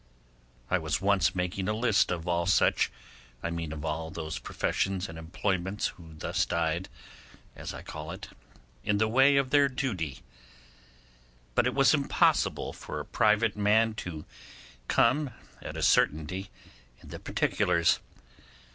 I was once making a list of all such, I mean of all those professions and employments who thus died, as I call it, in the way of their duty; but it was impossible for a private man to come at a certainty in the particulars.